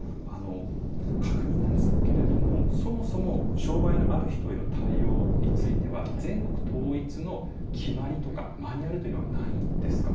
確認なんですけれどもそもそも障害のある人への対応については全国統一の決まりとかマニュアルというのはないんですか？